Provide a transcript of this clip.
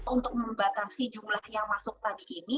untuk membatasi jumlah yang masuk tadi ini